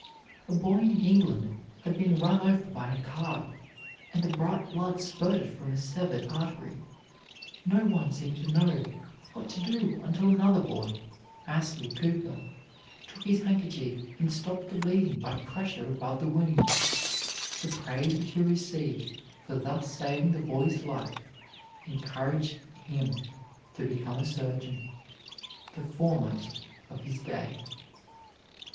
A boy in England had been run over by a car, and the bright blood spurted from a severed artery. No one seemed to know what to do until another boy, Astley Cooper, took his handkerchief and stopped the bleeding by pressure above the wound. The praise which he received for thus saving the boy's life encouraging him to become a surgeon, the foremost of his day.